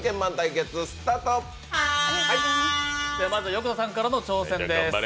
まず横田さんからの挑戦です。